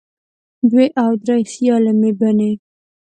دوې او درې سیالې مې بنې